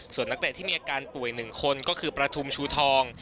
ส่วนนักเตะที่มีอาการป่วย๑คนก็คือประทุมชูทอง